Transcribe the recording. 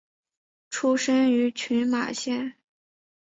出身于群马县。